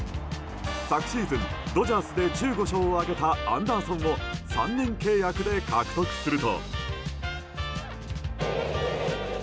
昨シーズンドジャースで１５勝を挙げたアンダーソンを３年契約で獲得すると。